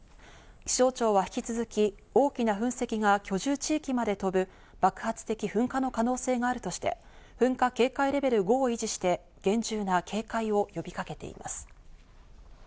気象庁は引き続き、大きな噴石な居住地域まで飛ぶ、爆発的噴火の可能性があるとして、噴火警戒レベル５を維持して、厳重な警戒を呼びかけています。